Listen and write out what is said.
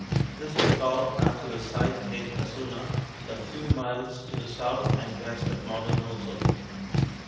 This is called after a site named Hassuna, a few miles to the south and west of modern Mosul.